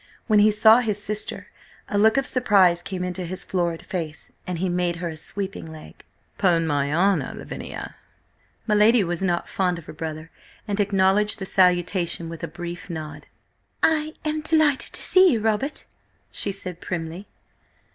When he saw his sister, a look of surprise came into his florid face, and he made her a sweeping leg. "'Pon my honour–Lavinia!" My lady was not fond of her brother, and acknowledged the salutation with a brief nod. "I am delighted to see you, Robert," she said primly.